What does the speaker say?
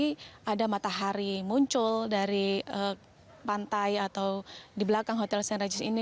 jadi ada matahari muncul dari pantai atau di belakang hotel st regis ini